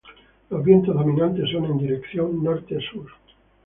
Los vientos dominantes son en dirección norte a sur.